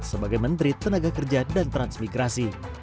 sebagai menteri tenaga kerja dan transmigrasi